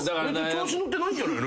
調子乗ってないんじゃ？